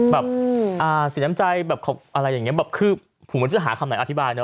แบบเสียด้ำใจอะไรอย่างนี้คือผมจะหาคำไหนอธิบายเนอะ